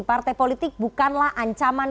partai politik bukanlah ancaman